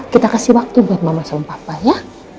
kita kasih waktu buat mama sama papa ya